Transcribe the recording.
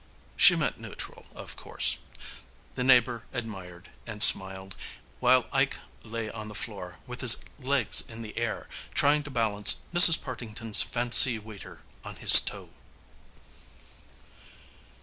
She meant neutral, of course. The neighbor admired, and smiled, while Ike lay on the floor, with his legs in the air, trying to balance Mrs. Partington's fancy waiter on his toe.